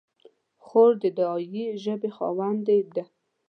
خور د دعایي ژبې خاوندې ده.